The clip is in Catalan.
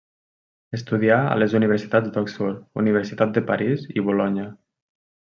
Estudià a les universitats d'Oxford, Universitat de París i Bolonya.